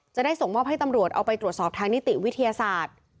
จะได้ส่งมอบให้ตำรวจเอาไปตรวจสอบทางนิติวิทยาศาสตร์